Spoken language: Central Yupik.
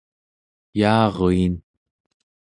yaaruin